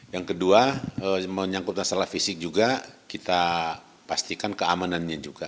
yang kedua menyangkut masalah fisik juga kita pastikan keamanannya juga